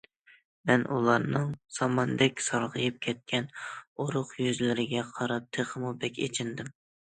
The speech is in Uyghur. مەن ئۇلارنىڭ ساماندەك سارغىيىپ كەتكەن ئورۇق يۈزلىرىگە قاراپ تېخىمۇ بەك ئېچىندىم.